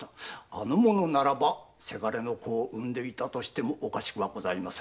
あの者ならばせがれの子を産んでいてもおかしくはございません。